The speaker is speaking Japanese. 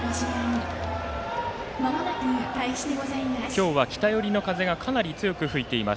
今日は、北寄りの風がかなり強く吹いています